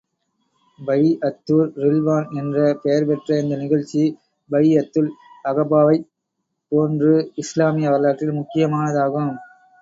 பைஅத்துர் ரில்வான் என்ற பெயர் பெற்ற இந்த நிகழ்ச்சி, பைஅத்துல் அகபாவை ப் போன்று இஸ்லாமிய வரலாற்றில் முக்கியமானதாகும்.